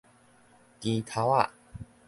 墘頭仔